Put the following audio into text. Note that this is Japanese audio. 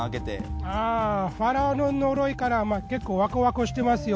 ファラオの呪いから結構ワクワクしてますよ。